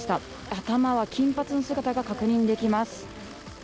頭は金髪の姿が確認できます。